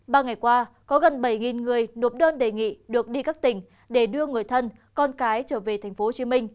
ba ngày qua có gần bảy người nộp đơn đề nghị được đi các tỉnh để đưa người thân con cái trở về tp hcm